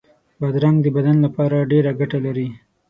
بادرنګ د بدن لپاره ډېره ګټه لري.